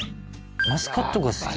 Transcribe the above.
マスカットが好き？